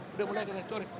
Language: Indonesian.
sudah mulai sorry